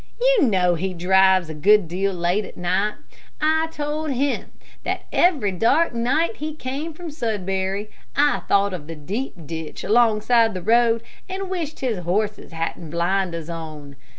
You know he drives a good deal late at night. I told him that every dark night he came from Sudbury I thought of the deep ditch alongside the road, and wished his horses hadn't blinders on.